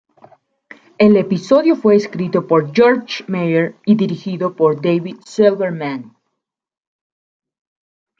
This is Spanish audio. El episodio fue escrito por George Meyer y dirigido por David Silverman.